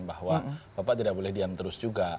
bahwa bapak tidak boleh diam terus juga